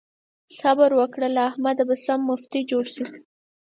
صبر وکړه؛ له احمده به سم مفتي جوړ شي.